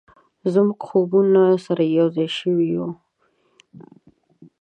زموږ خوبونه سره یو ځای شوي و،